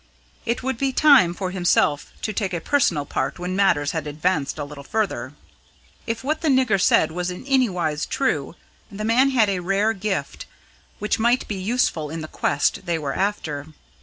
It would be time for himself to take a personal part when matters had advanced a little further. If what the nigger said was in any wise true, the man had a rare gift which might be useful in the quest they were after.